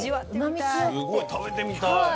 すごい食べてみたい。